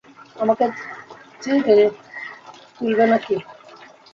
আমাকে চেড়ে তুলবে নাকি?